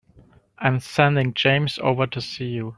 I'm sending James over to see you.